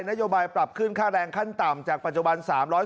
นโยบายปรับขึ้นค่าแรงขั้นต่ำจากปัจจุบัน๓๐